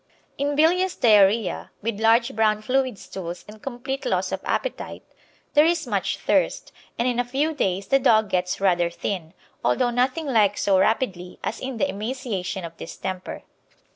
In bilious diarrhoea, with large brown fluid stools and complete loss of appetite, there is much thirst, and in a few days the dog gets rather thin, although nothing like so rapidly as in the emaciation of distemper.